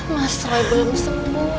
mas rai belum sembuh